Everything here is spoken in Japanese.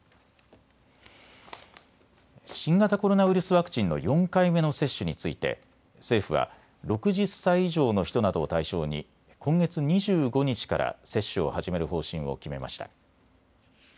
新型コロナウイルスワクチンの４回目の接種について政府は６０歳以上の人などを対象に今月２５日から接種を始める方針を決めました。